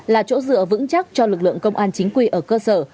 là chỗ dựa vững chắc cho lực lượng công an chính quy ở cơ sở